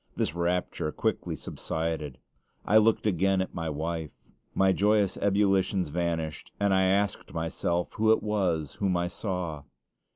This rapture quickly subsided. I looked again at my wife. My joyous ebullitions vanished, and I asked myself who it was whom I saw.